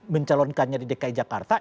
mencalonkannya di dki jakarta